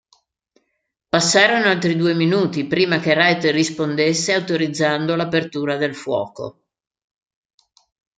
Passarono altri due minuti prima che Wright rispondesse autorizzando l'apertura del fuoco.